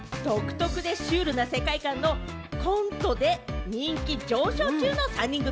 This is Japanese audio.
独特でシュールな世界観のコントで人気上昇中の３人組。